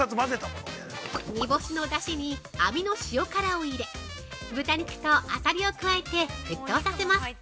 ◆煮干しのだしにアミの塩辛を入れ豚肉とあさりを加えて沸騰させます。